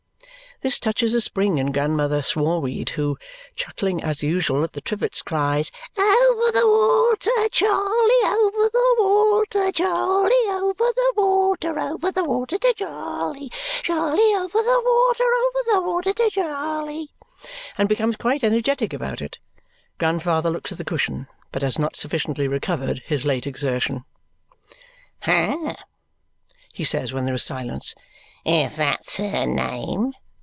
This touches a spring in Grandmother Smallweed, who, chuckling as usual at the trivets, cries, "Over the water! Charley over the water, Charley over the water, over the water to Charley, Charley over the water, over the water to Charley!" and becomes quite energetic about it. Grandfather looks at the cushion but has not sufficiently recovered his late exertion. "Ha!" he says when there is silence. "If that's her name.